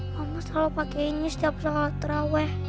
mama selalu pake ini setiap sholat terawih